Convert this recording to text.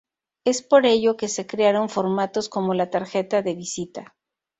Es por ello que se crearon formatos como la tarjeta de visita.